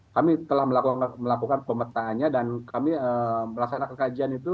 kami telah melakukan pemetaannya dan kami melaksanakan kajian itu